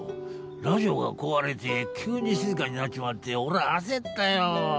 ラジオが壊れて急に静かになっちまっておら焦ったよ。